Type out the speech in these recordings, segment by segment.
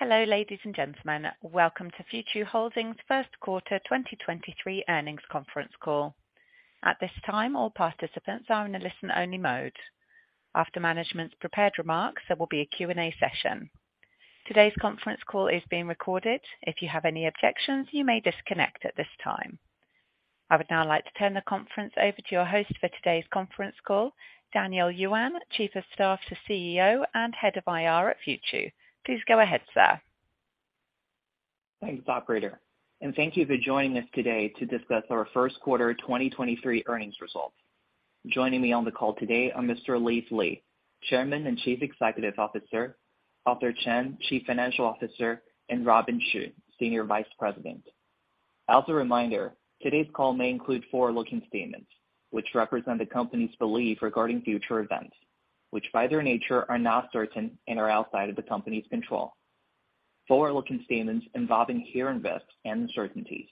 Hello, ladies and gentlemen. Welcome to Futu Holdings first quarter 2023 earnings conference call. At this time, all participants are in a listen-only mode. After management's prepared remarks, there will be a Q&A session. Today's conference call is being recorded. If you have any objections, you may disconnect at this time. I would now like to turn the conference over to your host for today's conference call, Daniel Yuan, Chief of Staff to CEO and Head of IR at Futu. Please go ahead, sir. Thanks, operator, and thank you for joining us today to discuss our first quarter 2023 earnings results. Joining me on the call today are Mr. Leaf Li, Chairman and Chief Executive Officer, Arthur Chen, Chief Financial Officer, and Robin Xu, Senior Vice President. As a reminder, today's call may include forward-looking statements which represent the company's belief regarding future events which, by their nature, are not certain and are outside of the company's control. Forward-looking statements involving inherent risks and uncertainties.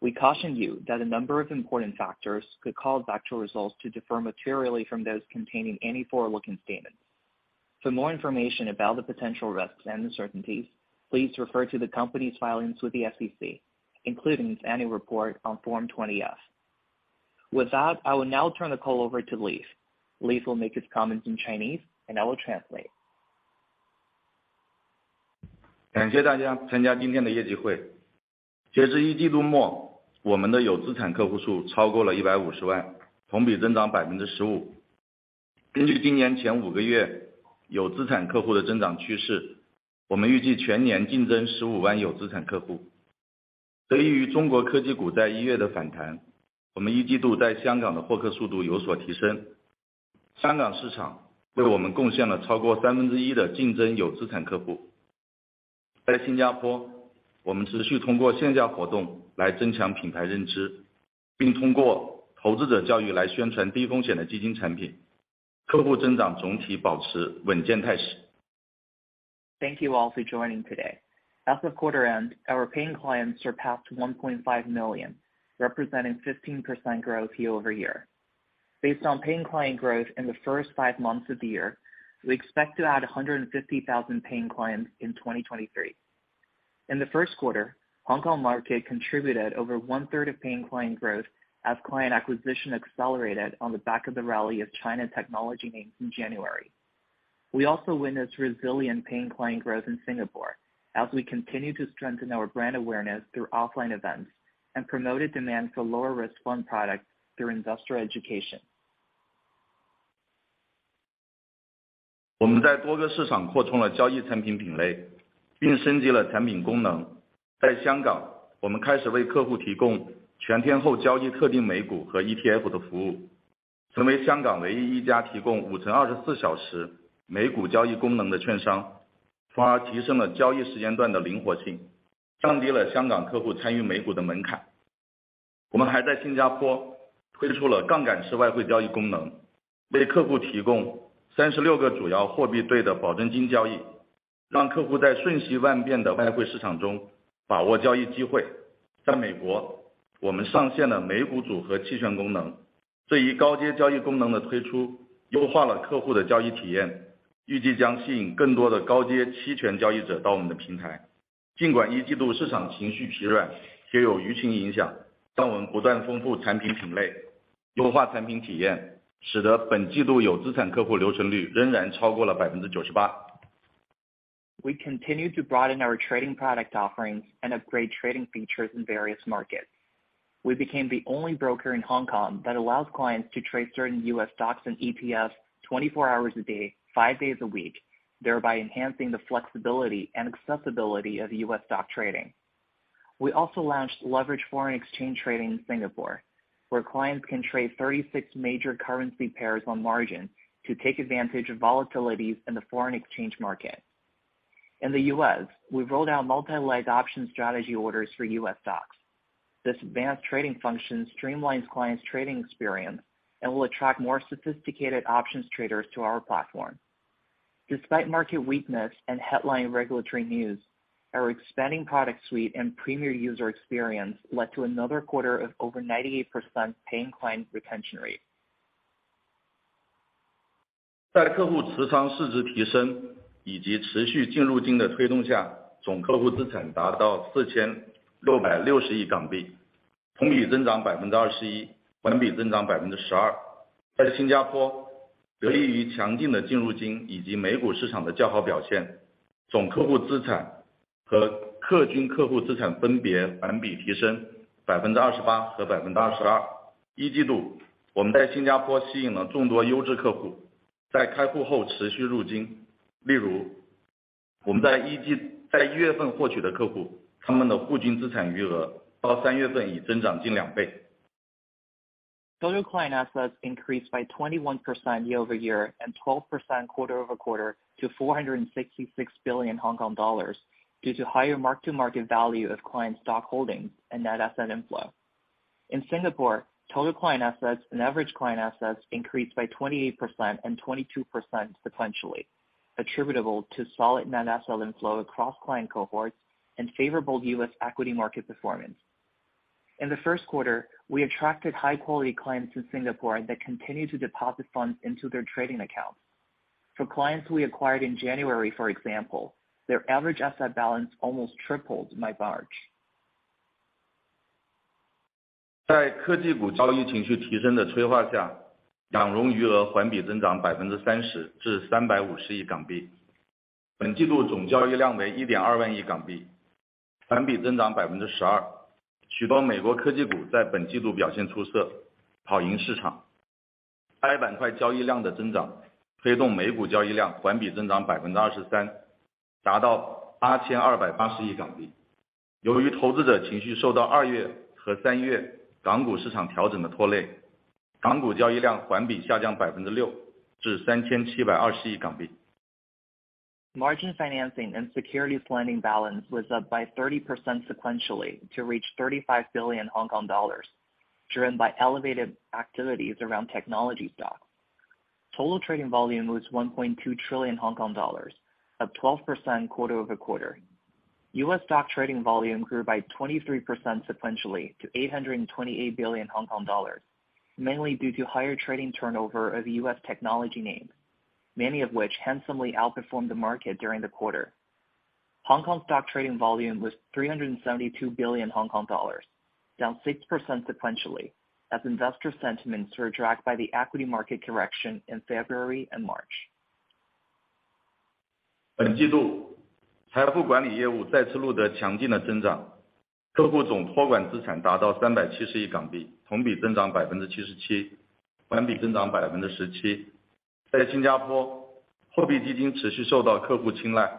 We caution you that a number of important factors could cause actual results to differ materially from those containing any forward-looking statements. For more information about the potential risks and uncertainties, please refer to the company's filings with the SEC, including its annual report on Form 20-F. With that, I will now turn the call over to Leaf. Leaf will make his comments in Chinese, and I will translate. Thank you all for joining today. As of quarter end, our paying clients surpassed 1.5 million, representing 15% growth year-over-year. Based on paying client growth in the first five months of the year, we expect to add 150,000 paying clients in 2023. In the first quarter, Hong Kong market contributed over 1/3 of paying client growth as client acquisition accelerated on the back of the rally of China technology names in January. We also witnessed resilient paying client growth in Singapore as we continue to strengthen our brand awareness through offline events and promoted demand for lower risk fund products through industrial education. We continue to broaden our trading product offerings and upgrade trading features in various markets. We became the only broker in Hong Kong that allows clients to trade certain U.S. stocks and ETFs 24 hours a day, five days a week, thereby enhancing the flexibility and accessibility of U.S. stock trading. We also launched leveraged foreign exchange trading in Singapore, where clients can trade 36 major currency pairs on margin to take advantage of volatilities in the foreign exchange market. In the U.S., we've rolled out multi-leg option strategy orders for U.S. stocks. This advanced trading function streamlines clients' trading experience and will attract more sophisticated options traders to our platform. Despite market weakness and headline regulatory news, our expanding product suite and premier user experience led to another quarter of over 98% paying clients retention rate. Total client assets increased by 21% year-over-year and 12% quarter-over-quarter to 466 billion Hong Kong dollars due to higher mark-to-market value of client stock holdings and net asset inflow. In Singapore, total client assets and average client assets increased by 28% and 22% sequentially, attributable to solid net asset inflow across client cohorts and favorable U.S. equity market performance. In the first quarter, we attracted high quality clients in Singapore that continue to deposit funds into their trading accounts. For clients we acquired in January, for example, their average asset balance almost tripled by March. 在科技股交易情绪提升的催化 下， 养融余额环比增长百分之三十至三百五十亿港币。本季度总交易量为一点二万亿港 币， 环比增长百分之十二。许多美国科技股在本季度表现出 色， 跑赢市场。I 板块交易量的增长推动美股交易量环比增长百分之二十 三， 达到八千二百八十亿港币。由于投资者情绪受到二月和三月港股市场调整的拖 累， 港股交易量环比下降百分之六至三千七百二十亿港币。Margin financing and securities lending balance was up by 30% sequentially to reach 35 billion Hong Kong dollars, driven by elevated activities around technology stocks. Total trading volume was 1.2 trillion Hong Kong dollars, up 12% quarter-over-quarter. U.S. stock trading volume grew by 23% sequentially to 828 billion Hong Kong dollars, mainly due to higher trading turnover of U.S. technology names, many of which handsomely outperformed the market during the quarter. Hong Kong stock trading volume was 372 billion Hong Kong dollars, down 6% sequentially as investor sentiments were dragged by the equity market correction in February and March. 本季度财富管理业务再次录得强劲的增 长， 客户总托管资产达到三百七十亿港 币， 同比增长百分之七十 七， 环比增长百分之十七。在新加 坡， 货币基金持续受到客户青 睐，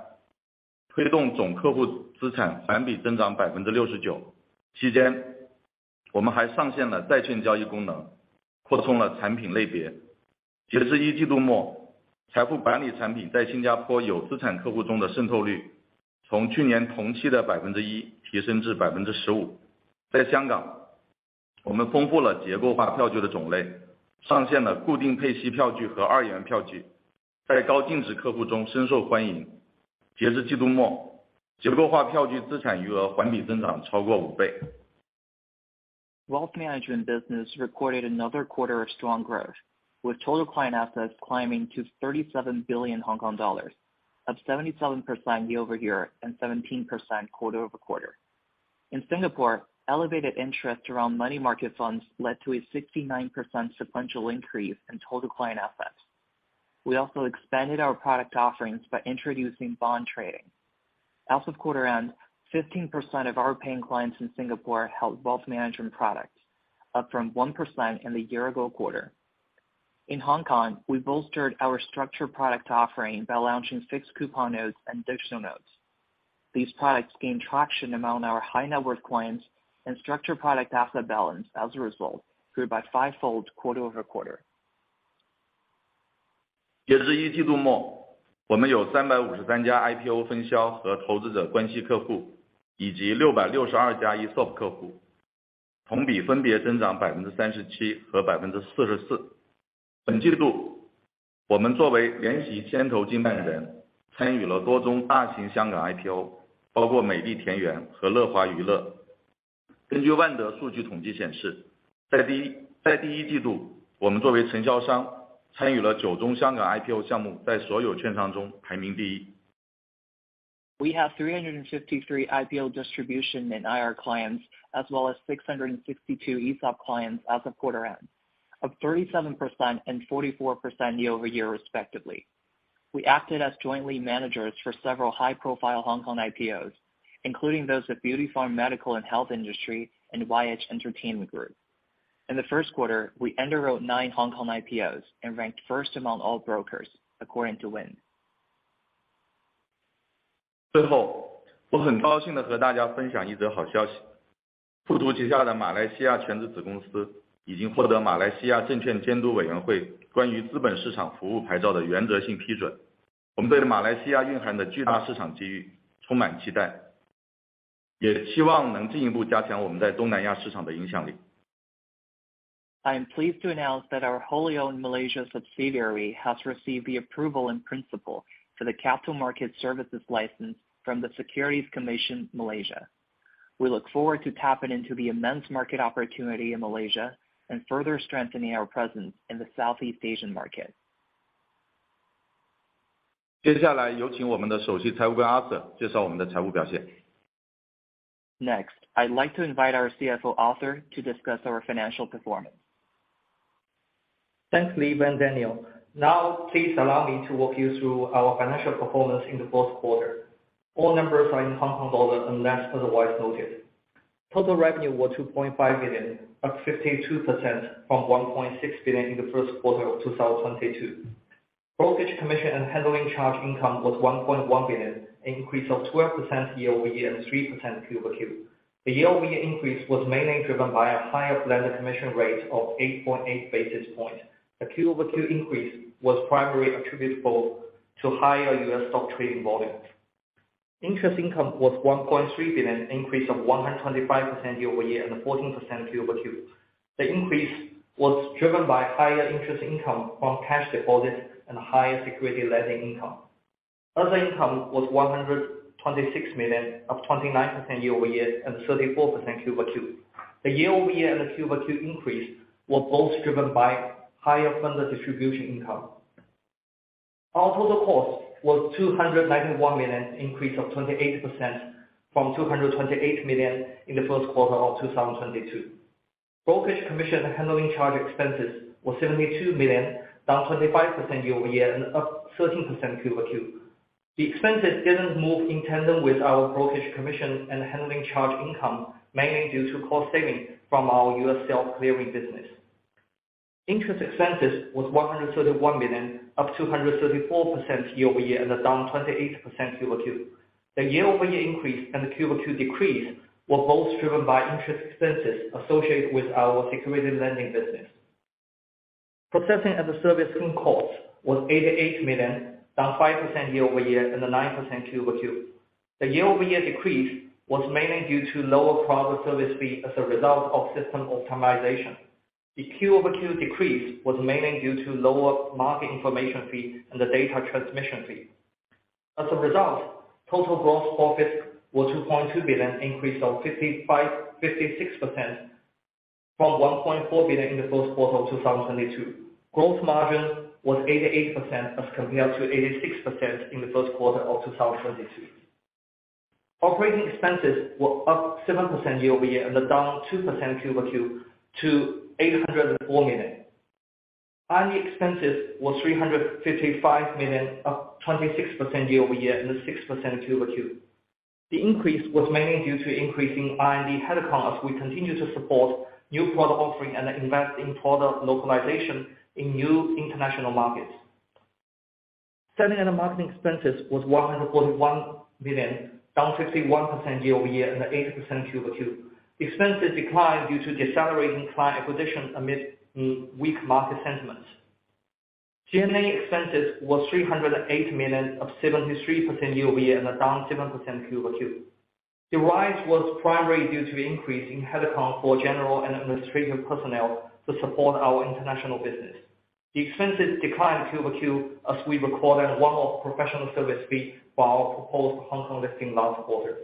推动总客户资产环比增长百分之六十九。期 间， 我们还上线了在线交易功 能， 扩充了产品类别。截至一季度 末， 财富管理产品在新加坡有资产客户中的渗透率从去年同期的百分之一提升至百分之十五。在香 港， 我们丰富了结构化票据的种 类， 上线了固定配息票据和二元票 据， 在高净值客户中深受欢迎。截至季度 末， 结构化票据资产余额环比增长超过五倍。Wealth management business recorded another quarter of strong growth, with total client assets climbing to 37 billion Hong Kong dollars, up 77% year-over-year and 17% quarter-over-quarter. In Singapore, elevated interest around money market funds led to a 69% sequential increase in total client assets. We also expanded our product offerings by introducing bond trading. As of quarter end, 15% of our paying clients in Singapore held wealth management products, up from 1% in the year ago quarter. In Hong Kong, we bolstered our structured product offering by launching Fixed Coupon Notes and Digital Notes. These products gained traction among our high net worth clients and structured product asset balance as a result grew by five-fold quarter-over-quarter. 截至一季度 末, 我们有353家 IPO 分销和投资者关系客 户, 以及662家 ESOP 客 户, 同比分别增长 37% 和 44%。本季 度, 我们作为联席牵头经办 人, 参与了多宗大型香港 IPO, 包括 Beauty Farm 和 YH Entertainment Group。根据 Wind Information 数据统计显 示, 在第一季 度, 我们作为承销商参与了9宗香港 IPO 项 目, 在所有券商中排名第一。We have 353 IPO distribution in IR clients as well as 662 ESOP clients as of quarter end. Up 37% and 44% year-over-year, respectively. We acted as jointly managers for several high-profile Hong Kong IPOs, including those of Beauty Farm Medical and Health Industry and YH Entertainment Group. In the first quarter, we underwrote nine Hong Kong IPOs and ranked first among all brokers, according to Wind. 最 后， 我很高兴地和大家分享一则好消 息. 富途旗下的马来西亚全资子公司已经获得马来西亚证券监督委员会关于资本市场服务牌照的原则性批 准. 我们对马来西亚蕴含的巨大市场机遇充满期 待， 也希望能进一步加强我们在东南亚市场的影响 力. I am pleased to announce that our wholly owned Malaysia subsidiary has received the approval in principle for the Capital Markets and Services Licence from the Securities Commission Malaysia. We look forward to tapping into the immense market opportunity in Malaysia and further strengthening our presence in the Southeast Asian market. 接下来有请我们的 Chief Financial Officer Arthur 介绍我们的财务表 现. I'd like to invite our CFO, Arthur, to discuss our financial performance. Thanks, Leaf and Daniel. Please allow me to walk you through our financial performance in the fourth quarter. All numbers are in Hong Kong dollar unless otherwise noted. Total revenue was 2.5 billion, up 52% from 1.6 billion in the first quarter of 2022. Brokerage commission and handling charge income was 1.1 billion, an increase of 12% year-over-year and 3% quarter-over-quarter. The year-over-year increase was mainly driven by a higher blended commission rate of 8.8 basis point. The quarter-over-quarter increase was primarily attributable to higher U.S. stock trading volumes. Interest income was 1.3 billion, an increase of 125% year-over-year and 14% quarter-over-quarter. The increase was driven by higher interest income from cash deposits and higher security lending income. Other income was $126 million, up 29% year-over-year and 34% quarter-over-quarter. The year-over-year and the quarter-over-quarter increase were both driven by higher funder distribution income. Our total cost was $291 million, increase of 28% from $228 million in the first quarter of 2022. Brokerage commission and handling charge expenses was $72 million, down 25% year-over-year and up 13% quarter-over-quarter. The expenses didn't move in tandem with our brokerage commission and handling charge income, mainly due to cost saving from our U.S. self-clearing business. Interest expenses was $131 million, up 234% year-over-year and down 28% quarter-over-quarter. The year-over-year increase and the quarter-over-quarter decrease were both driven by interest expenses associated with our securities lending business. Processing and the servicing cost was $88 million, down 5% year-over-year and 9% quarter-over-quarter. The year-over-year decrease was mainly due to lower product service fee as a result of system optimization. The quarter-over-quarter decrease was mainly due to lower market information fee and the data transmission fee. As a result, total gross profit was $2.2 billion, increase of 56% from $1.4 billion in the first quarter of 2022. Gross margin was 88% as compared to 86% in the first quarter of 2022. Operating expenses were up 7% year-over-year and down 2% quarter-over-quarter to $804 million. R&D expenses was 355 million, up 26% year-over-year, and 6% quarter-over-quarter. The increase was mainly due to increase in R&D headcount as we continue to support new product offering and invest in product localization in new international markets. Selling and the marketing expenses was 141 million, down 51% year-over-year, and 80% quarter-over-quarter. Expenses declined due to decelerating client acquisition amid weak market sentiments. G&A expenses was 308 million, up 73% year-over-year, and down 7% quarter-over-quarter. The rise was primarily due to the increase in headcount for general and administrative personnel to support our international business. The expenses declined quarter-over-quarter as we recorded one-off professional service fee for our proposed Hong Kong listing last quarter.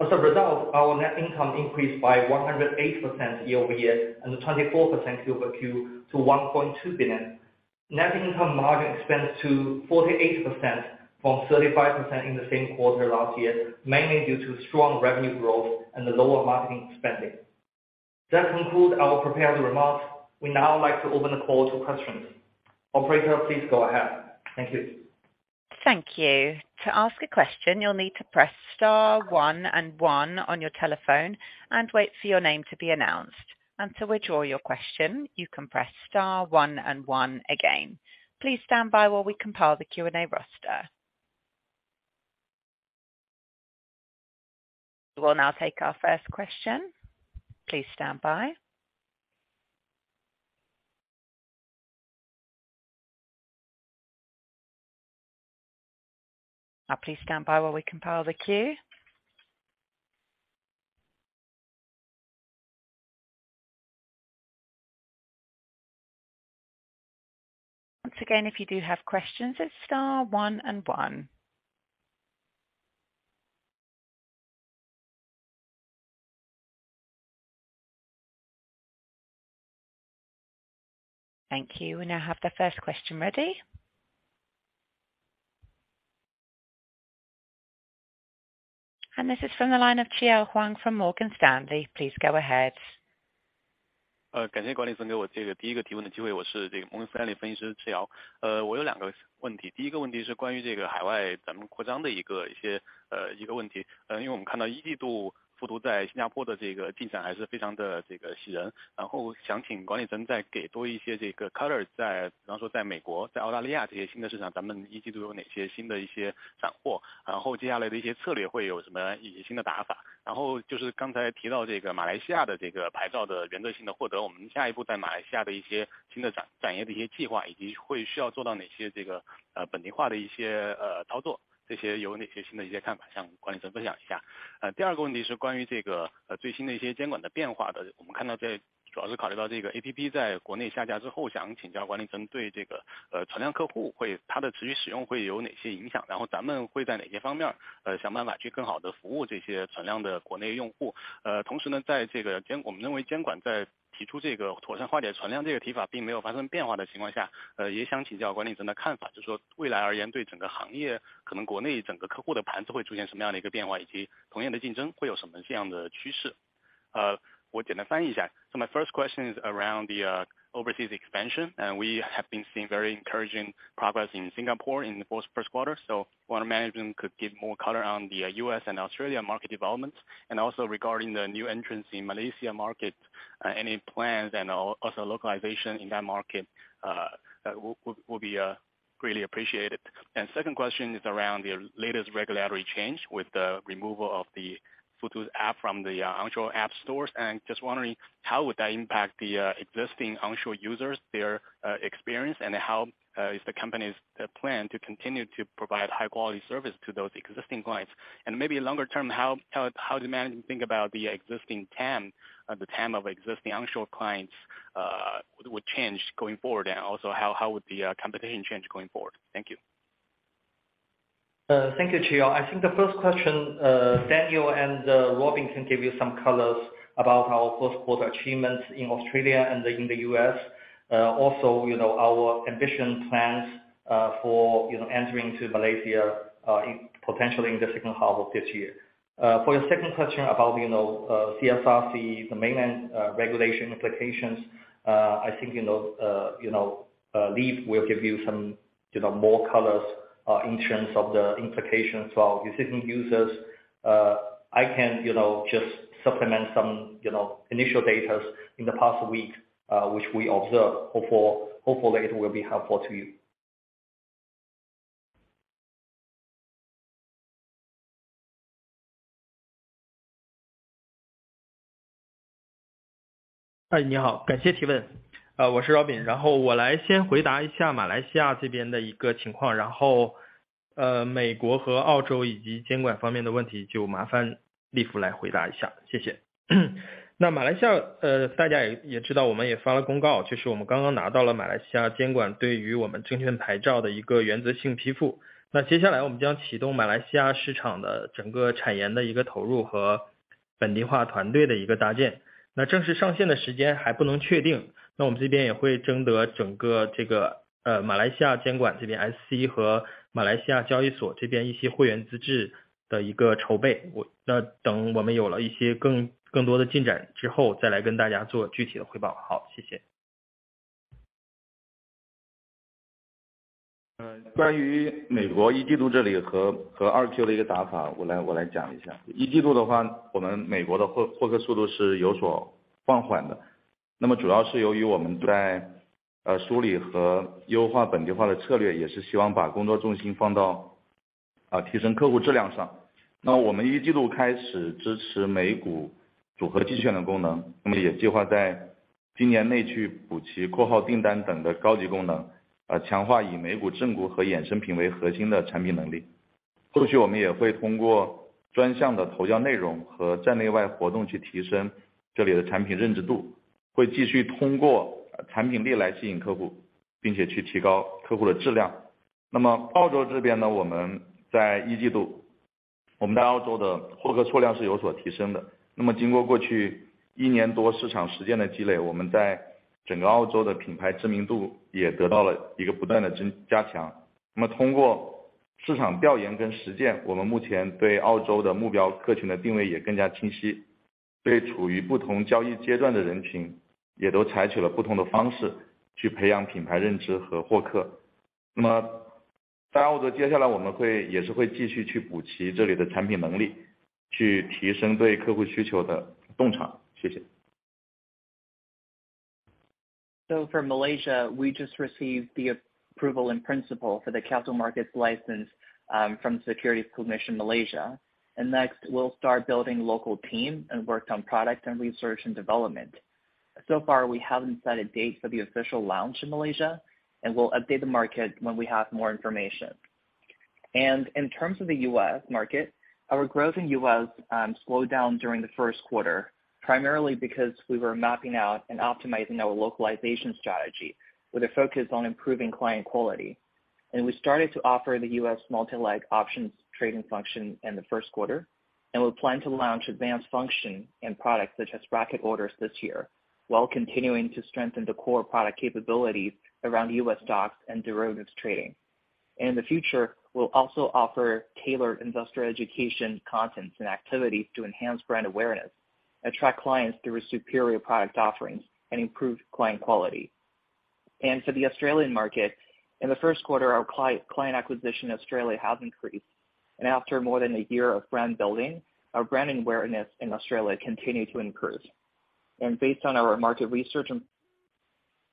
As a result, our net income increased by 108% year-over-year and 24% quarter-over-quarter to $1.2 billion. Net income margin expands to 48% from 35% in the same quarter last year, mainly due to strong revenue growth and the lower marketing spending. That concludes our prepared remarks. We'd now like to open the call to questions. Operator, please go ahead. Thank you. Thank you. To ask a question, you'll need to press star one and one on your telephone and wait for your name to be announced. To withdraw your question, you can press star one and one again. Please stand by while we compile the Q&A roster. We'll now take our first question. Please stand by. Please stand by while we compile the queue. Once again, if you do have questions, it's star one and one. Thank you. We now have the first question ready. This is from the line of Chiyao Huang from Morgan Stanley. Please go ahead. Uh, 各国语言给这个第一个提问的机会。我是这个 Morgan Stanley 分析师 Chi Yao。呃， 我有两个问题。第一个问题是关于这个海外咱们扩张的一个一 些， 呃， 一个问 题， 呃， 因为我们看到季度复读在新加坡的这个进展还是非常的这个喜 人， 然后想请管理层再给多一些这个 color， 在比方说在美 国， 在澳大利亚这些新的市 场， 咱们一季度有哪些新的一些斩 获， 然后接下来的一些策略会有什么一些新的打法。然后就是刚才提到这个马来西亚的这个牌照的原则性的获 得， 我们下一步在马来西亚的一些新的 展， 展业的一些计 划， 以及会需要做到哪些这 个， 呃， 本地化的一 些， 呃， 操 作， 这些有哪些新的一些看法向管理层分享一下。呃， 第二个问题是关于这 个， 呃， 最新的一些监管的变化 的， 我们看到在主要是考虑到这个 APP 在国内下架之 后， 想请教管理层对这 个， 呃， 存量客户 会， 它的持续使用会有哪些影 响， 然后咱们会在哪些方 面， 呃， 想办法去更好地服务这些存量的国内用户。呃， 同时 呢， 在这个 监， 我们认为监管在提出这个妥善化解存量这个提法并没有发生变化的情况 下， 呃， 也想请教管理层的看 法， 就是说未来而 言， 对整个行 业， 可能国内整个客户的盘子会出现什么样的一个变 化， 以及同业的竞争会有什么这样的趋势。呃， 我简单翻译一下。So my first question is around the, uh, overseas expansion, and we have been seeing very encouraging progress in Singapore in the first, first quarter. Wonder management could give more color on the U.S. and Australia market developments and also regarding the new entrants in Malaysia market, any plans and also localization in that market will be greatly appreciated. Second question is around the latest regulatory change with the removal of the Futu's app from the onshore app stores, and just wondering how would that impact the existing onshore users, their experience, and how is the company's plan to continue to provide high quality service to those existing clients? Maybe longer term, how does management think about the existing TAM, the TAM of existing onshore clients, with change going forward? Also how would the competition change going forward? Thank you. Thank you. I think the first question, Daniel and Robin can give you some colors about how of course achievements in Australia and in the U.S. Also you know our ambition plans for you know entering to Malaysia potentially in the second half of this year. For your second question about you know CSRC the mainland regulation implications. I think you know Leaf will give you some you know more colors in terms of the implications for our existing users. I can you know just supplement some you know initial datas in the past week, which we observe. Hopefully it will be helpful to you. 哎你 好， 感谢提问。呃我是 Robin， 然后我来先回答一下马来西亚这边的一个情 况， 然后呃美国和澳洲以及监管方面的问题就麻烦立夫来回答一下。谢谢。那马来西 亚， 呃大家也也知道我们也发了公 告， 就是我们刚刚拿到了马来西亚监管对于我们证券牌照的一个原则性批复。那接下来我们将启动马来西亚市场的整个产业的一个投入和本地化团队的一个搭建。那正式上线的时间还不能确定，那我们这边也会征得整个这 个， 呃马来西亚监管这边 SC 和马来西亚交易所这边一些会员资质的一个筹备。我那等我们有了一些更更多的进展之 后， 再来跟大家做具体的汇报。好， 谢谢。关于美国 Q1 这里和 2Q 的一个打 法， 我来讲一下。Q1 的 话， 我们美国的获客速度是有所放缓的，主要是由于我们在梳理和优化本地化的策 略， 也是希望把工作重心放到提升客户质量上。我们 Q1 开始支持美股组合期权的功 能， 也计划在今年内去补齐 bracket orders 等的高级功 能， 强化以美股正股和衍生品为核心的产品能力。后续我们也会通过专项的投教内容和站内外活动去提升这里的产品认知度，会继续通过产品力来吸引客 户， 并且去提高客户的质量。澳洲这边 呢， 我们在 Q1， 我们到澳洲的获客数量是有所提升的。经过过去1年多市场实践的积 累， 我们在整个澳洲的品牌知名度也得到了一个不断的增加强。通过市场调研跟实 践， 我们目前对澳洲的目标客群的定位也更加清 晰， 对处于不同交易阶段的人群也都采取了不同的方式去培养品牌认知和获客。在澳洲接下来我们会也是会继续去补齐这里的产品能 力， 去提升对客户需求的洞察。谢谢。For Malaysia, we just received the approval in principle for the capital markets license from Securities Commission Malaysia. Next we'll start building local team and work on product and research and development. Far we haven't set a date for the official launch in Malaysia and we'll update the market when we have more information. In terms of the U.S. market, our growth in U.S. slowed down during the first quarter, primarily because we were mapping out and optimizing our localization strategy with a focus on improving client quality. We started to offer the U.S. multi-leg options trading function in the first quarter. We'll plan to launch advanced function and products such as bracket orders this year, while continuing to strengthen the core product capabilities around U.S. stocks and derivatives trading. In the future, we'll also offer tailored industrial education, content and activities to enhance brand awareness, attract clients through superior product offerings and improved client quality. For the Australian market, in the first quarter, our client acquisition in Australia has increased, and after more than a year of brand building, our brand awareness in Australia continued to improve. Based on our market research and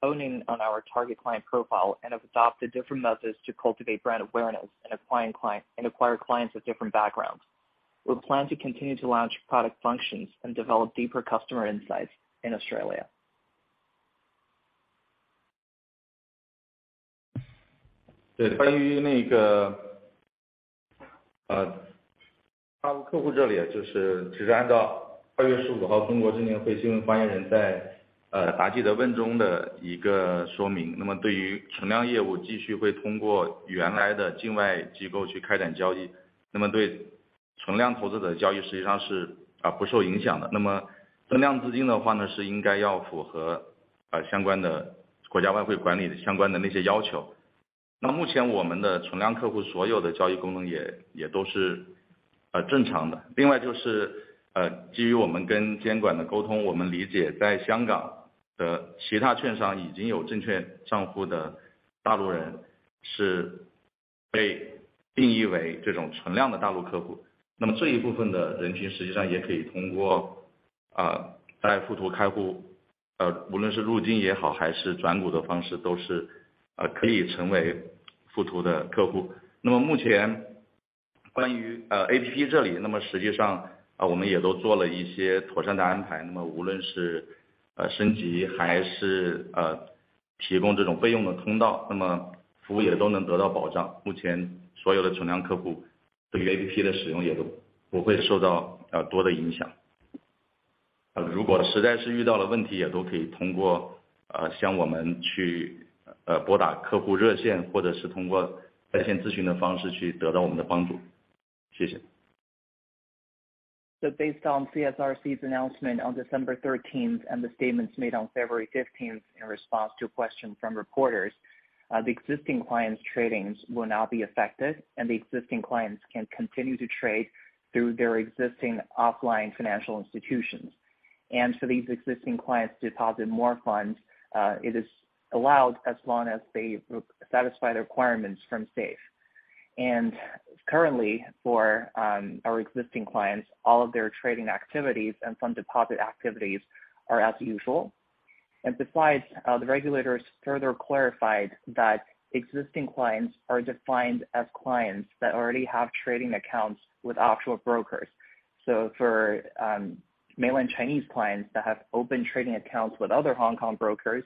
honing on our target client profile and have adopted different methods to cultivate brand awareness and acquire clients with different backgrounds. We'll plan to continue to launch product functions and develop deeper customer insights in Australia. 对关于那个呃他们客户这里就是只是按照八月十五号中国证券会新闻发言人在呃答记者问中的一个说明。那么对于存量业务继续会通过原来的境外机构去开展交 易， 那么对存量投资者的交易实际上是啊不受影响的。那么增量资金的话 呢， 是应该要符合啊相关的国家外汇管理的相关的那些要求。那目前我们的存量客户所有的交易功能也也都是呃正常的。另外就是呃基于我们跟监管的沟 通， 我们理解在香港的其他券商已经有证券账户的大陆人是被定义为这种存量的大陆客 户， 那么这一部分的人群实际上也可以通过啊在富途开 户， 呃无论是入金也 好， 还是转股的方 式， 都是呃可以成为富途的客户。那么目前关于呃 APP 这 里， 那么实际上啊我们也都做了一些妥善的安 排， 那么无论是呃升级还是呃提供这种备用的通 道， 那么服务也都能得到保障。目前所有的存量客户对于 APP 的使用也都不会受到啊多的影响。如果实在是遇到了问 题， 也都可以通过 呃， 向我们去拨打客户热 线， 或者是通过在线咨询的方式去得到我们的帮助。谢谢。Based on CSRC's announcement on December 13th and the statements made on February 15th in response to a question from reporters, the existing clients trading will now be affected, and the existing clients can continue to trade through their existing offline financial institutions. These existing clients deposit more funds, it is allowed as long as they satisfy the requirements from SAFE. Currently for our existing clients, all of their trading activities and fund deposit activities are as usual. Besides, the regulators further clarified that existing clients are defined as clients that already have trading accounts with offshore brokers. For mainland Chinese clients that have opened trading accounts with other Hong Kong brokers,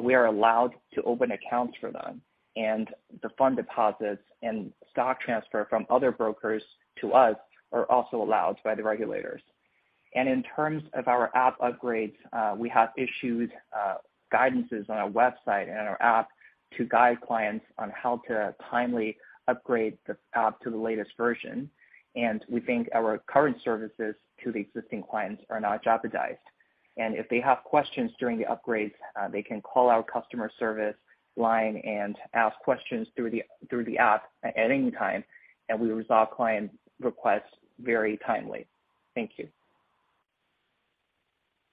we are allowed to open accounts for them, and the fund deposits and stock transfer from other brokers to us are also allowed by the regulators. In terms of our app upgrades, we have issued guidances on our website and our app to guide clients on how to timely upgrade the app to the latest version. We think our current services to the existing clients are not jeopardized. If they have questions during the upgrades, they can call our customer service line and ask questions through the app at any time, and we resolve client requests very timely. Thank you.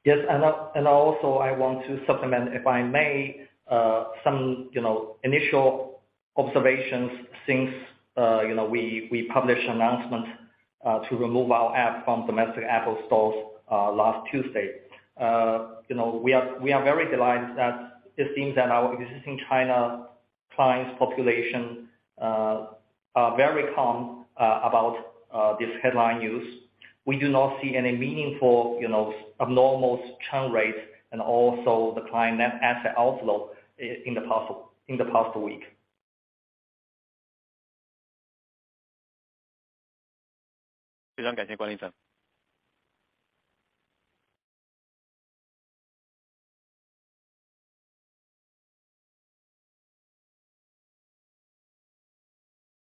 Yes. Also I want to supplement, if I may, some, you know, initial observations since, you know, we published an announcement to remove our app from domestic Apple stores last Tuesday. You know, we are very delighted that it seems that our existing China clients population are very calm about this headline news. We do not see any meaningful, you know, abnormal churn rates and also the client net asset outflow in the past week. 非常感谢冠逸先生。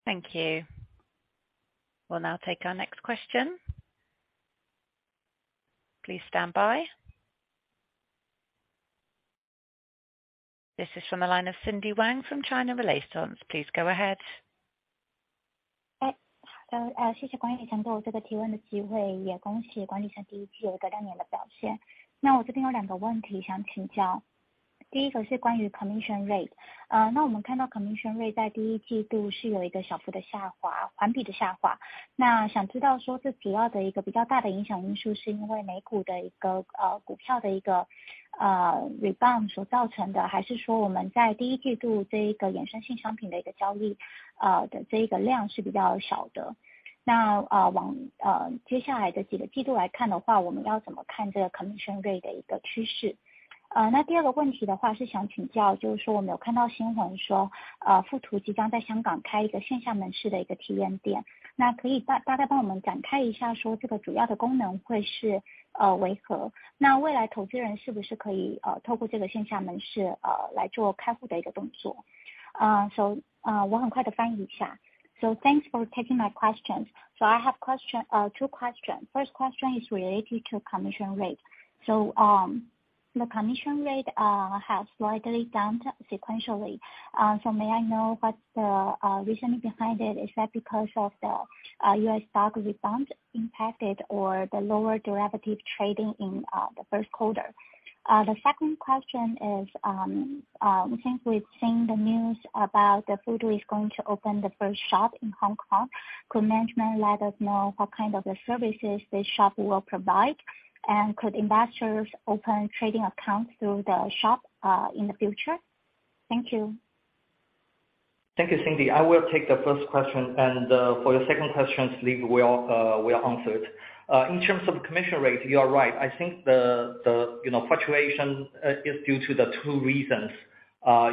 Thank you. We'll now take our next question. Please stand by. This is from the line of Cindy Wang from China Renaissance. Please go ahead. 好 的， 谢谢 Chiyao Huang 给我这个提问的机 会， 也恭喜 Chiyao Huang 1st quarter 有一个亮眼的表现。我这边有2个问题想请教。1st 个是关于 commission rate。我们看到 commission rate 在 1st quarter 是有一个小幅的下 滑， 环比的下滑。想知道说这主要的一个比较大的影响因素是因为美股的一个股票的一个 rebound 所造成 的， 还是说我们在 1st quarter 这一个衍生性商品的一个交易的这个量是比较少的。往接下来的几个季度来看的 话， 我们要怎么看这个 commission rate 的一个趋 势？ 2nd 个问题的话是想请 教， 就是说我们有看到新闻 说， Futu 即将在 Hong Kong 开一个线下门市的一个体验店。可以大概帮我们展开一 下， 说这个主要的功能会是为 何？ 未来投资人是不是可以透过这个线下门市来做开户的一个动 作？ 我很快的翻译一下。Thanks for taking my questions. I have two questions. First question is related to commission rate. The commission rate has slightly down sequentially. May I know what's the reason behind it? Is that because of the U.S. stock rebound impacted or the lower derivative trading in the first quarter? The second question is, we think we've seen the news about the Futu is going to open the first shop in Hong Kong. Could management let us know what kind of services this shop will provide? Could investors open trading accounts through the shop in the future? Thank you. Thank you, Cindy. I will take the first question and for the second question, Leaf will answer it. In terms of commission rate, you are right. I think the, you know, fluctuation is due to the two reasons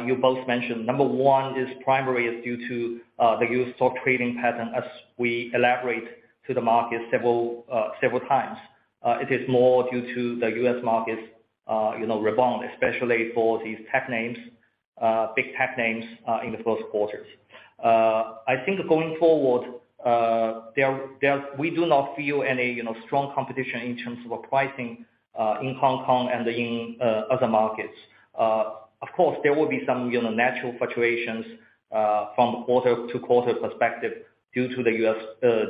you both mentioned. Number one is primarily due to the U.S. stock trading pattern as we elaborate to the market several times. It is more due to the U.S. markets, you know, rebound, especially for these tech names, big tech names, in the first quarters. I think going forward, there we do not feel any, you know, strong competition in terms of pricing in Hong Kong and in other markets. Of course, there will be some, you know, natural fluctuations from quarter-to-quarter perspective due to the U.S.,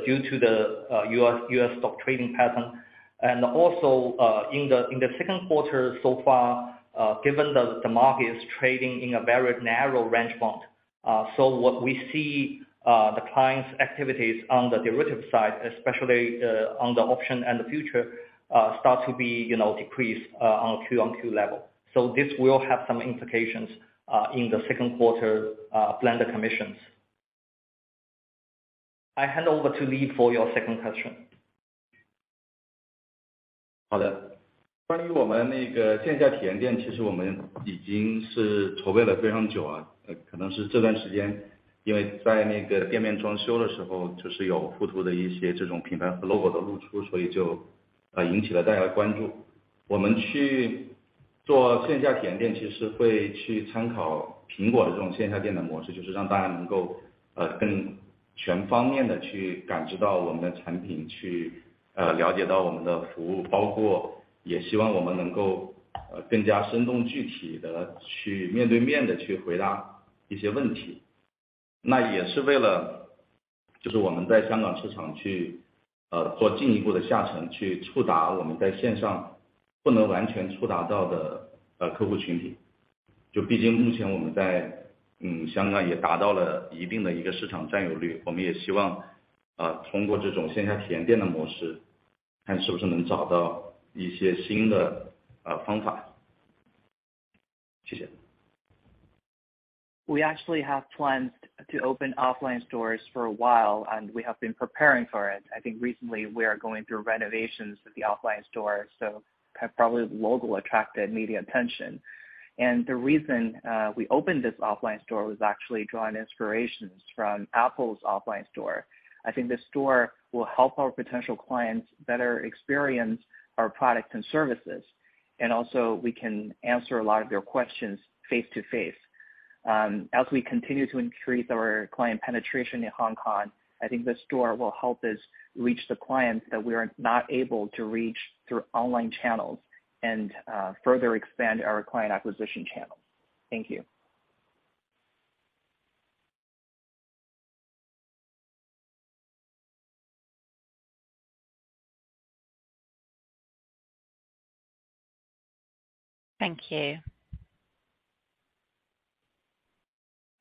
due to the U.S. stock trading pattern. Also, in the second quarter so far, given the market is trading in a very narrow range bond, what we see, the clients activities on the derivative side, especially on the option and the future, start to be, you know, decreased on Q-on-Q level. This will have some implications in the second quarter, blended commissions. I hand over to Leaf for your second question. 好的。关于我们那个线下体验 店， 其实我们已经是筹备了非常 久， 可能是这段时 间. 在那个店面装修的时 候， 就是 Futu 的一些这种品牌 Logo 的露 出， 引起了大家的关注。我们去做线下体验 店， 其实会去参考 Apple 的这种线下店的模 式， 就是让大家能够更全方面地去感知到我们的产 品， 去了解到我们的服 务， 包括也希望我们能够更加生动具体地去面对面地去回答一些问题。也是为 了， 就是我们在香港市场去做进一步的下 沉， 去触达我们在线上不能完全触达到的客户群体。毕竟目前我们在香港也达到了一定的一个市场占有 率， 我们也希望通过这种线下体验店的模 式， 看是不是能找到一些新的方法。谢谢。We actually have plans to open offline stores for a while and we have been preparing for it. I think recently we are going through renovations at the offline stores, so probably Logo attracted media attention. The reason we opened this offline store was actually drawing inspirations from Apple's offline store. I think the store will help our potential clients better experience our products and services, and also we can answer a lot of their questions face to face. As we continue to increase our client penetration in Hong Kong, I think the store will help us reach the clients that we are not able to reach through online channels and further expand our client acquisition channels. Thank you. Thank you.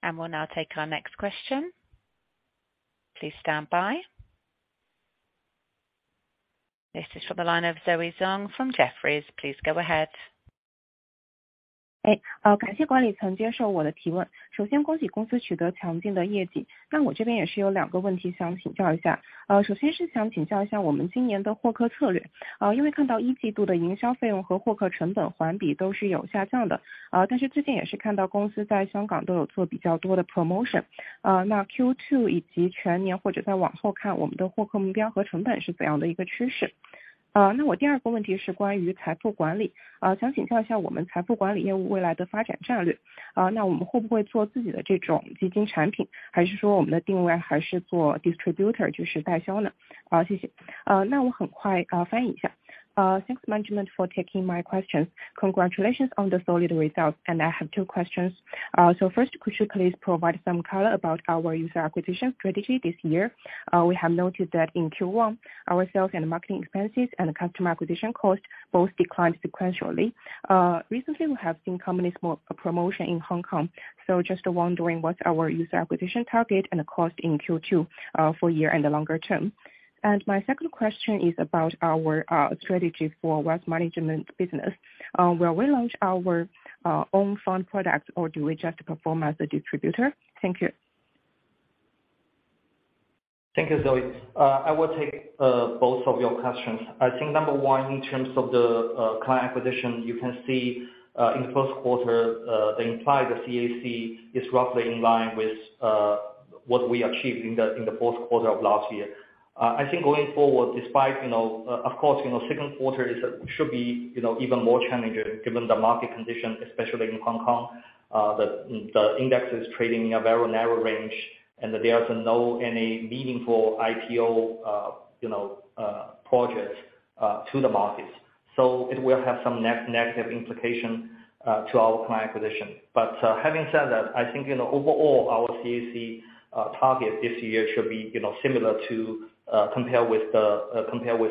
We'll now take our next question. Please stand by. This is for the line of Zoey Zong from Jefferies. Please go ahead. 哎， 呃， 感谢管理层接受我的提问。首先恭喜公司取得强劲的业绩。那我这边也是有两个问题想请教一下。呃， 首先是想请教一下我们今年的获客策 略， 呃， 因为看到一季度的营销费用和获客成本环比都是有下降 的， 呃， 但是之前也是看到公司在香港都有做比较多的 promotion， 呃， 那 Q2 以及全年或者再往后 看， 我们的获客目标和成本是怎样的一个趋势。呃， 那我第二个问题是关于财富管 理， 呃， 想请教一下我们财富管理业务未来的发展战 略， 啊， 那我们会不会做自己的这种基金产 品， 还是说我们的定位还是做 distributor， 就是代销 呢？ 好， 谢谢。呃， 那我很快 呃， 翻译一下。Uh, thanks management for taking my questions. Congratulations on the solid results. I have two questions. First, could you please provide some color about our user acquisition strategy this year. We have noted that in Q1, our sales and marketing expenses and customer acquisition cost both declined sequentially. Recently we have seen companies more promotion in Hong Kong. Just wondering what our user acquisition target and cost in Q2 for year and the longer term. My second question is about our strategy for wealth management business. Will we launch our own fund product or do we just perform as a distributor? Thank you. Thank you Zoe, I will take both of your questions. I think number one in terms of the client acquisition, you can see in first quarter they imply the CAC is roughly in line with what we achieved in the fourth quarter of last year. I think going forward, despite you know, of course, you know second quarter should be, you know, even more challenging given the market condition, especially in Hong Kong, the index is trading in a very narrow range and there are no any meaningful IPO, you know, projects to the markets. It will have some negative implication to our client acquisition. Having said that, I think, you know, overall our CAC target this year should be, you know, similar to compare with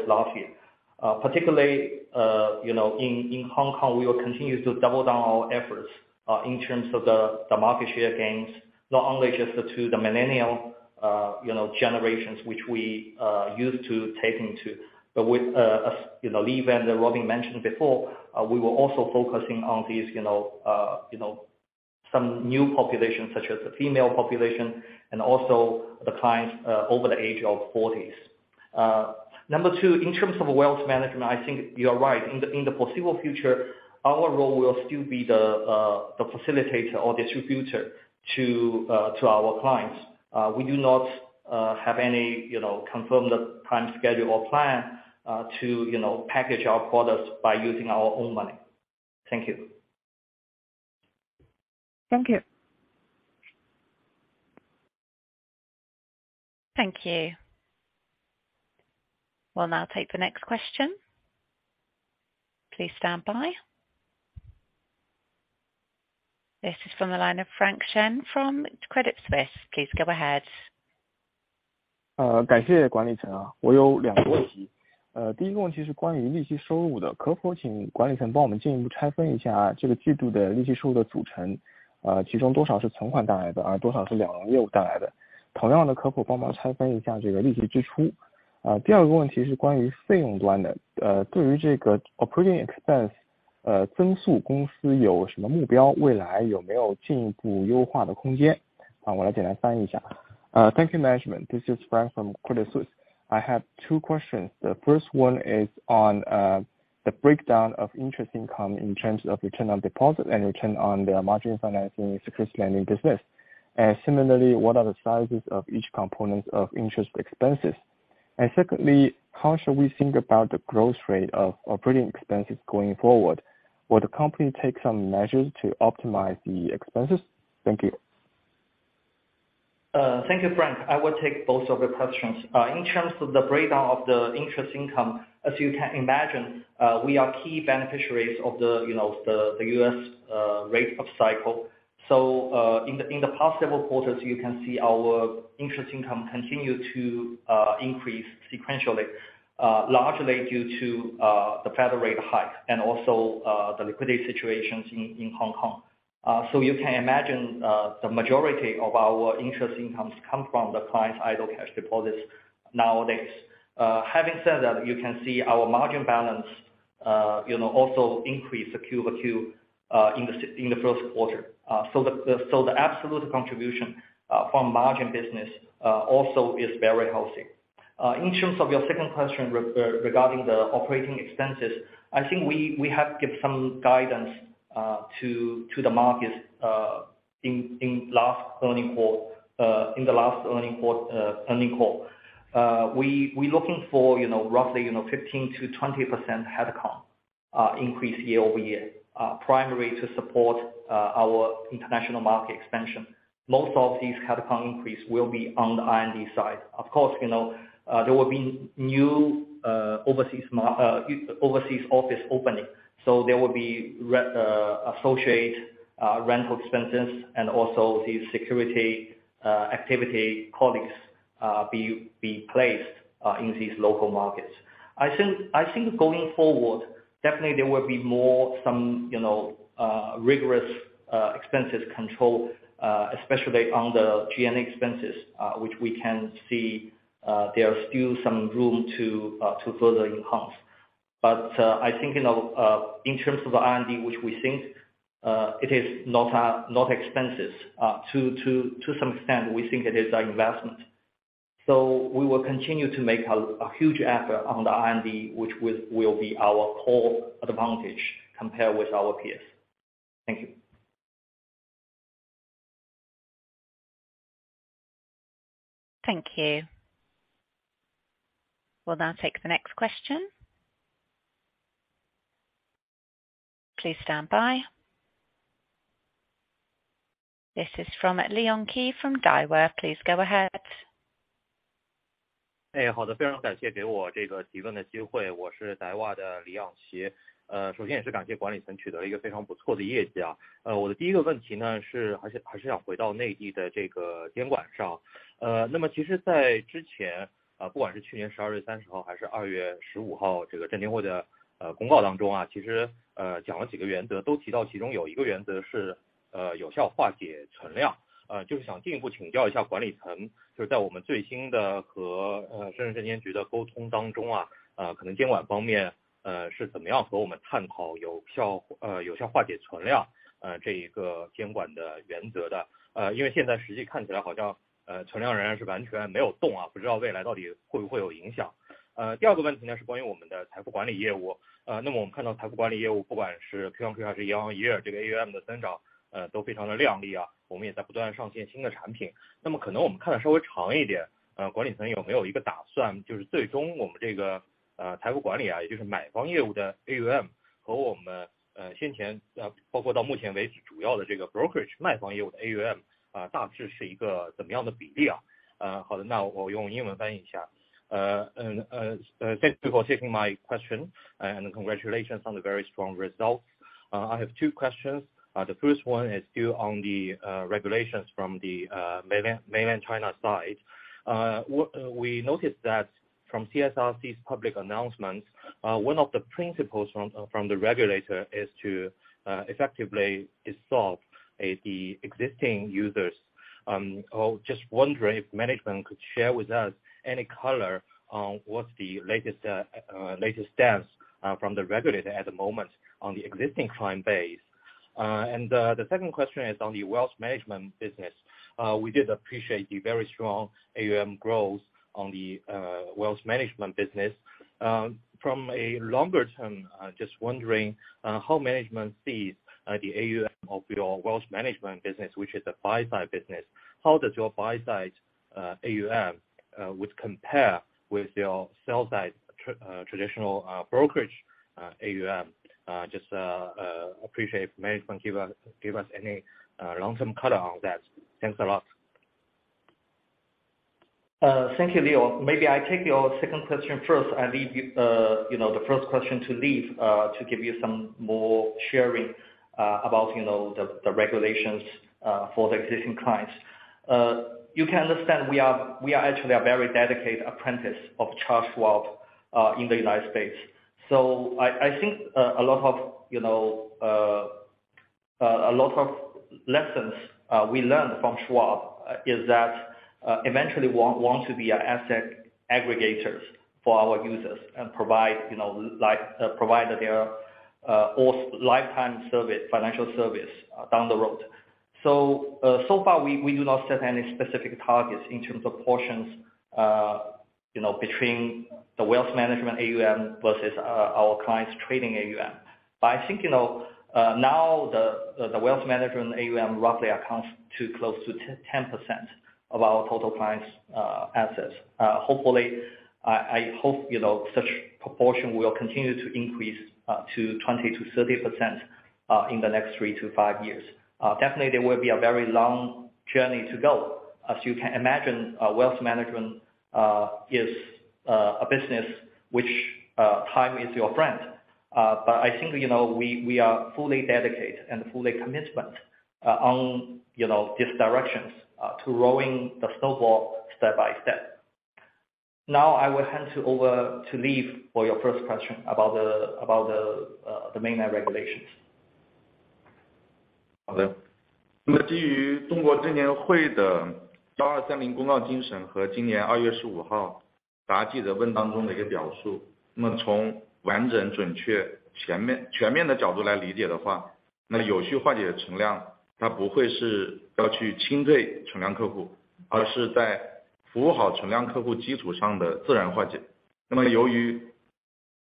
last year, particularly, you know, in Hong Kong, we will continue to double down our efforts in terms of the market share gains, not only just to the millennial, you know, generations, which we used to tap into, but with, as you know, Leaf and Robin mentioned before, we were also focusing on these, you know, some new populations, such as the female population and also the clients over the age of 40s. Number two, in terms of wealth management, I think you are right, in the foreseeable future, our role will still be the facilitator or distributor to our clients. We do not have any, you know, confirmed time schedule or plan to, you know, package our products by using our own money. Thank you. Thank you. Thank you. We'll now take the next question. Please stand by. This is from the line of Frank Zheng from Credit Suisse. Please go ahead. 感谢管理 层， 我有两个问题。第一个问题是关于利息收入 的， 可否请管理层帮我们进一步拆分一下这个季度的利息收入的组 成， 其中多少是存款带来 的， 多少是两融业务带来的。同样 的， 可否帮忙拆分一下这个利息支出。第二个问题是关于费用端 的， 对于这个 operating expense 增 速， 公司有什么目 标， 未来有没有进一步优化的空 间？ 好， 我来简单翻译一下。Thank you management. This is Frank from Credit Suisse. I have two questions. The first one is on the breakdown of interest income in terms of return on deposit and return on the margin financing, unsecured lending business. Similarly, what are the sizes of each component of interest expenses? Secondly, how should we think about the growth rate of operating expenses going forward? Will the company take some measures to optimize the expenses? Thank you. Thank you, Frank. I will take both of your questions. In terms of the breakdown of the interest income, as you can imagine, we are key beneficiaries of the, you know, the U.S. rate of cycle. In the past several quarters, you can see our interest income continue to increase sequentially, largely due to the Fed rate hike and also the liquidity situations in Hong Kong. You can imagine, the majority of our interest incomes come from the client's idle cash deposits nowadays. Having said that, you can see our margin balance, you know, also increase Q over Q in the first quarter. The absolute contribution from margin business also is very healthy. In terms of your second question regarding the operating expenses, I think we have given some guidance to the market in last earning call, in the last earning call, earning call. We are looking for, you know, roughly, you know, 15%-20% headcount increase year-over-year, primarily to support our international market expansion. Most of these headcount increases will be on the R&D side. Of course, you know, there will be new overseas office opening, so there will be associate rental expenses and also the security activity colleagues be placed in these local markets. I think going forward, definitely there will be more some, you know, rigorous expenses control, especially on the G&A expenses, which we can see, there are still some room to further enhance. I think, you know, in terms of the R&D, which we think, it is not not expensive, to some extent, we think it is an investment. We will continue to make a huge effort on the R&D, which will be our core advantage compared with our peers. Thank you. Thank you. We'll now take the next question. Please stand by. This is from Leon Qi from Daiwa. Please go ahead. Hey. Thank you, Leo. Maybe I take your second question first. I leave you know, the first question to leave, to give you some more sharing, you know, the regulations for the existing clients. You can understand we are actually a very dedicated apprentice of Charles Schwab in the United States. I think a lot of, you know, a lot of lessons we learned from Schwab is that eventually want to be an asset aggregators for our users and provide, you know, like, provide their- Or lifetime service, financial service down the road. So far we do not set any specific targets in terms of portions, you know, between the wealth management AUM versus our clients trading AUM. I think, you know, now the wealth management AUM roughly accounts to close to 10% of our total clients assets. Hopefully, I hope, you know, such proportion will continue to increase to 20%-30% in the next three to five years. Definitely, there will be a very long journey to go. As you can imagine, wealth management is a business which time is your friend. I think, you know, we are fully dedicated and fully commitment on, you know, these directions to rolling the snowball step by step. Now I will hand you over to Leaf for your first question about the, about the mainland regulations. 好 的， 那么基于中国证监会的1230公告精神和今年2月15号答记者问当中的一个表 述， 那么从完整、准确、前 面， 全面的角度来理解的 话， 那有序化解存量它不会是要去清退存量客 户， 而是在服务好存量客户基础上的自然化解。那么由于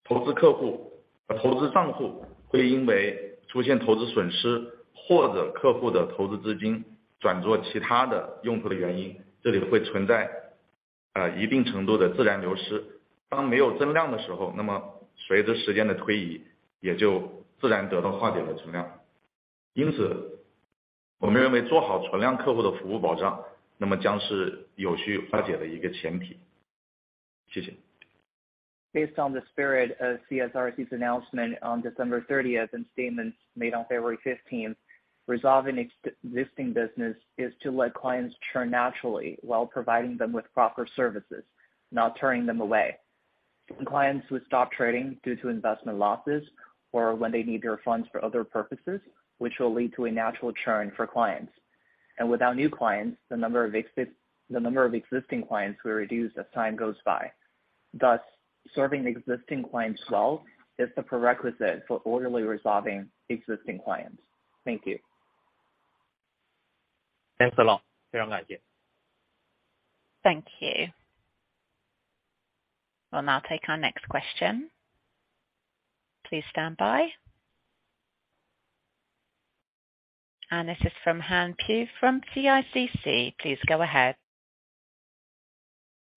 投资客户和投资账户会因为出现投资损 失， 或者客户的投资资金转做其他的用途的原 因， 这里会存 在， 呃， 一定程度的自然流失。当没有增量的时 候， 那么随着时间的推 移， 也就自然得到化解的存量。因 此， 我们认为做好存量客户的服务保 障， 那么将是有序化解的一个前提。谢谢。Based on the spirit of CSRC's announcement on December 30th and statements made on February 15th, resolving existing business is to let clients churn naturally while providing them with proper services, not turning them away. When clients would stop trading due to investment losses or when they need their funds for other purposes, which will lead to a natural churn for clients. Without new clients, the number of existing clients will reduce as time goes by. Thus, serving existing clients well is the prerequisite for orderly resolving existing clients. Thank you. Thanks a lot. 非常感 谢. Thank you. We'll now take our next question. Please stand by. This is from Han Pu from CICC. Please go ahead.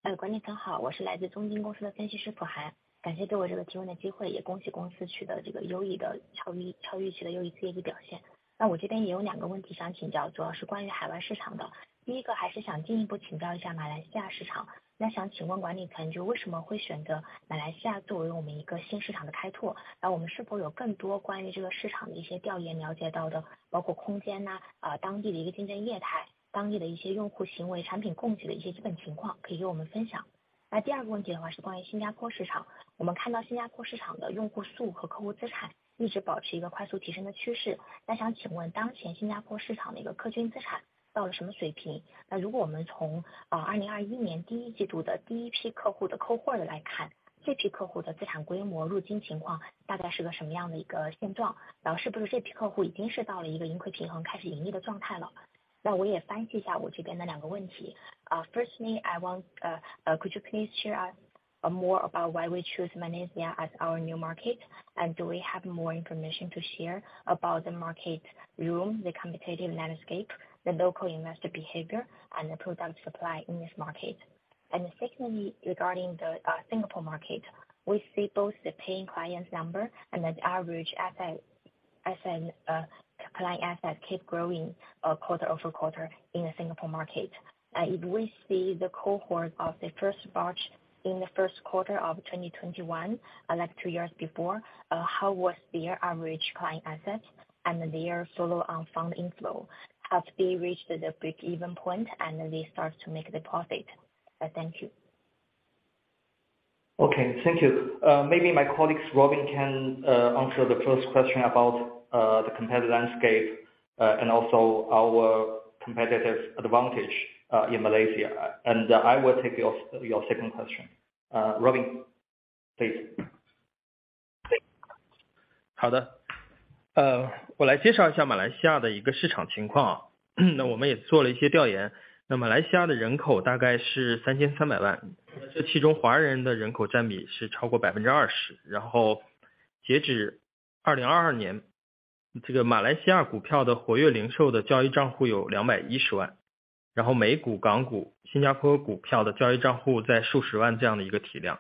呃， 管理层 好， 我是来自中金公司的分析师普韩。感谢对我这个提问的机 会， 也恭喜公司取得这个优异 的， 超 预， 超预期的优异业绩表现。那我这边也有两个问题想请 教， 主要是关于海外市场的。第一个还是想进一步请教一下马来西亚市 场， 那想请问管理层就为什么会选择马来西亚作为我们一个新市场的开 拓？ 那我们是否有更多关于这个市场的一些调研了解到 的， 包括空间 呐， 啊， 当地的一个竞争业 态， 当地的一些用户行 为， 产品供给的一些基本情况可以与我们分享。那第二个问题的话是关于新加坡市 场， 我们看到新加坡市场的用户数和客户资产一直保持一个快速提升的趋势。那想请问当前新加坡市场的一个客均资产到了什么水 平？ 那如果我们 从， 啊 ，2021 年第一季度的第一批客户的 cohort 来 看， 这批客户的资产规模入金情况大概是个什么样的一个现 状？ 然后是不是这批客户已经是到了一个盈亏平衡开始盈利的状态 了？ 那我也翻译一下我这边的两个问题。Uh, firstly, I want, uh, uh, could you please share, uh, more about why we choose Malaysia as our new market? Do we have more information to share about the market room, the competitive landscape, the local investor behavior and the product supply in this market? Secondly, regarding the Singapore market, we see both the paying clients number and the average client asset keep growing quarter-over-quarter in the Singapore market. If we see the cohort of the first batch in the first quarter of 2021, like two years before, how was their average client asset and their follow-on fund inflow? Have they reached the breakeven point and they start to make the profit? Thank you. Okay, thank you. maybe my colleagues Robin can answer the first question about the competitive landscape and also our competitive advantage in Malaysia. I will take your second question. Robin, please. 好 的， 我来介绍一下马来西亚的一个市场情况。我们也做了一些调 研， 马来西亚的人口大概是33 million， 这其中华人的人口占比是超过 20%。截止2022 年， 这个马来西亚股票的活跃零售的交易账户有 2.1 million， 美股、港股、新加坡股票的交易账户在数十万这样的一个体 量，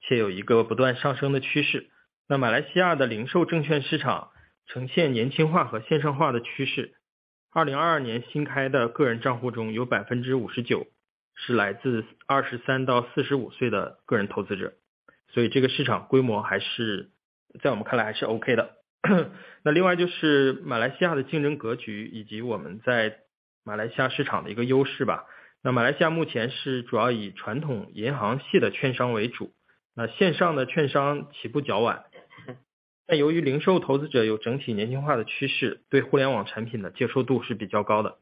且有一个不断上升的趋势。马来西亚的零售证券市场呈现年轻化和线上化的趋 势。2022 年新开的个人账户中有 59% 是来自 23-45 岁的个人投资 者， 所以这个市场规模还是在我们看来还是 OK 的。另外就是马来西亚的竞争格 局， 以及我们在马来西亚市场的一个优势吧。马来西亚目前是主要以传统银行系的券商为 主， 线上的券商起步较 晚， 但由于零售投资者有整体年轻化的趋 势， 对互联网产品的接受度是比较高的。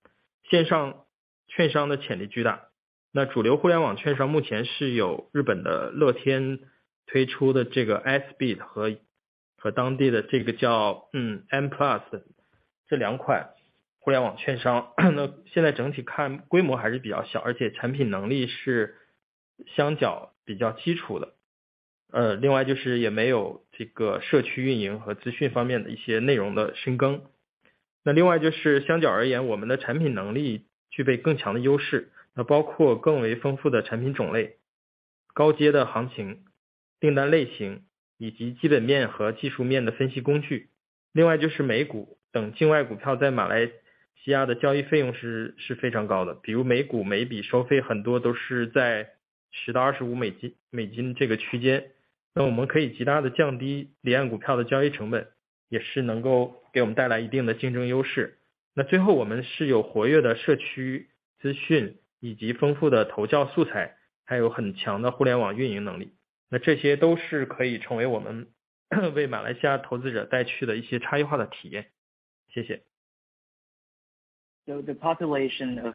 The potential of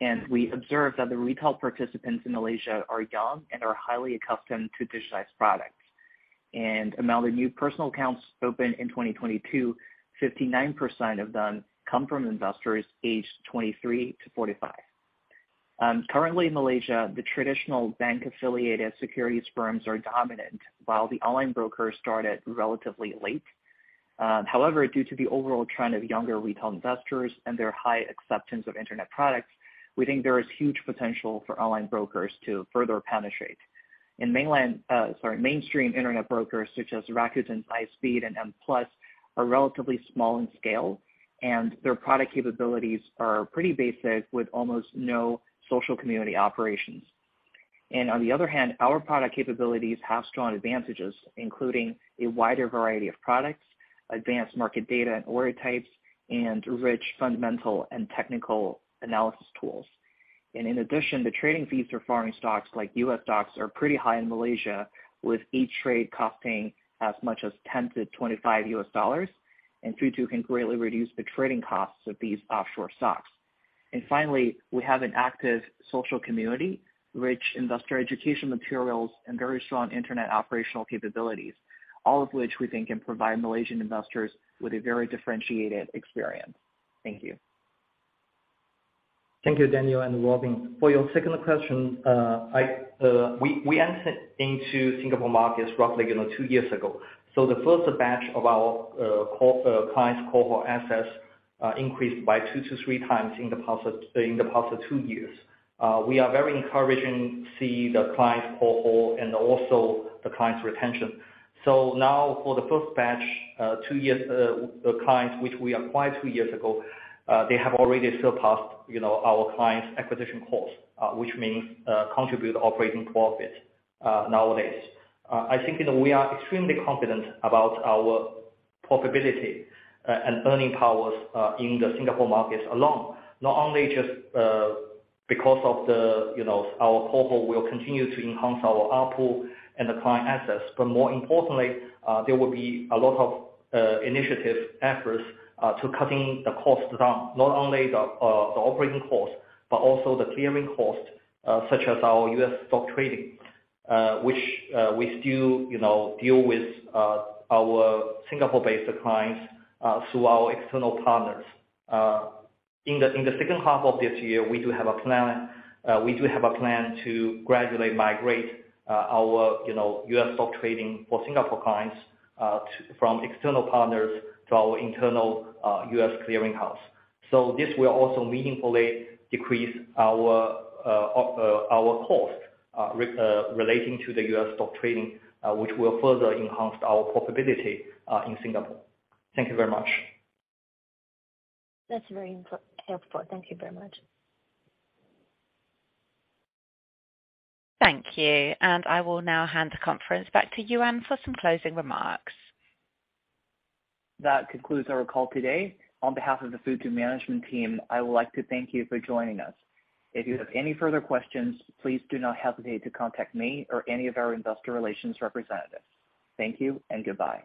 online brokers is huge. The mainstream online brokers currently are Rakuten's iSPEED and MPlus. These two internet brokers are still relatively small in scale, and their product capabilities are quite basic. There is also no in-depth updates on community operations and information. Compared to them, our product capabilities have stronger advantages, including a richer product lineup, higher-grade market orders, and basic and technical analysis tools. In addition, the trading fees for foreign stocks like U.S. stocks are quite high in Malaysia, with each trade costing as much as $10-$25, and Futu can greatly reduce the trading costs of these offshore stocks. Finally, we have an active social community, rich investor education materials, and very strong internet operational capabilities, all of which we think can provide Malaysian investors with a very differentiated experience. Thank you. Thank you, Daniel and Robin. For your second question, we entered into Singapore markets roughly, you know, two years ago. The first batch of our client cohort assets increased by two to three times in the past two years. We are very encouraging to see the client cohort and also the client retention. Now for the first batch, two years, clients, which we acquired two years ago, they have already surpassed, you know, our client acquisition costs, which means contribute operating profits nowadays. I think, you know, we are extremely confident about our profitability and earning powers in the Singapore markets alone. Not only just because of the, you know, our cohort will continue to enhance our output and the client assets, but more importantly, there will be a lot of initiative efforts to cutting the costs down. Not only the operating costs, but also the clearing costs, such as our U.S. stock trading, which we still, you know, deal with our Singapore-based clients through our external partners. In the second half of this year, we do have a plan. We do have a plan to gradually migrate our, you know, U.S. stock trading for Singapore clients from external partners to our internal U.S. clearing house. This will also meaningfully decrease our cost relating to the U.S. stock trading, which will further enhance our profitability in Singapore. Thank you very much. That's very helpful. Thank you very much. Thank you. I will now hand the conference back to Yuan for some closing remarks. That concludes our call today. On behalf of the Futu management team, I would like to thank you for joining us. If you have any further questions, please do not hesitate to contact me or any of our investor relations representatives. Thank you and goodbye.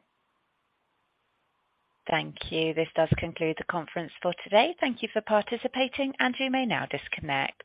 Thank you. This does conclude the conference for today. Thank you for participating. You may now disconnect.